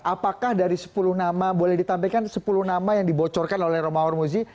apakah dari sepuluh nama boleh ditampilkan sepuluh nama yang dibocorkan oleh romahur muzi